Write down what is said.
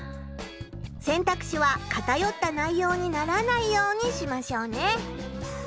選択肢はかたよった内ようにならないようにしましょうね。